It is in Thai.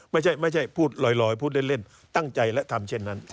ไม่ใช่พูดลอยพูดเล่นตั้งใจและทำเช่นนั้น